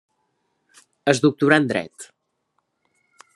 Es doctorà en dret.